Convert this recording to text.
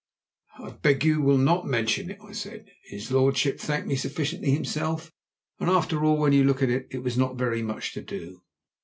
"I beg you will not mention it," I said. "His lordship thanked me sufficiently himself. And after all, when you look at it, it was not very much to do.